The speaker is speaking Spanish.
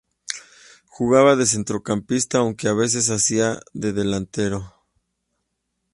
Jugaba de centrocampista, aunque a veces hacia de delantero.